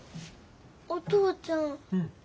お父ちゃん。